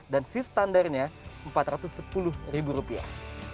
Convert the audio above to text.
dan seat standarnya empat ratus sepuluh rupiah